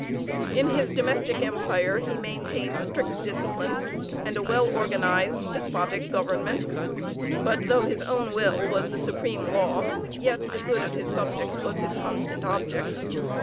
In his domestic empire he maintained strict discipline, and a well organized despotic government; but though his own will was the supreme law, yet the good of his subjects was his constant object.